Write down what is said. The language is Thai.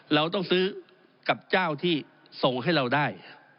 เราต้องซื้อกับเจ้าที่ส่งให้เราได้